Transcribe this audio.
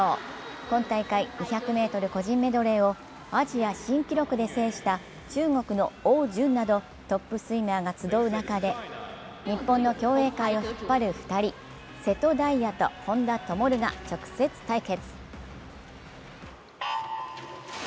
今大会２００ｍ個人メドレーをアジア新記録で制した中国の汪順などトップスイマーが集う中で、日本の競泳界を引っ張る２人瀬戸大也と本多灯が直接対決。